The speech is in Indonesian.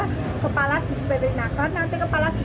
nanti kepala disperinakor kasih kepada bpn sampangat bupat burebus